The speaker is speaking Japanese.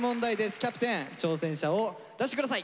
キャプテン挑戦者を出して下さい。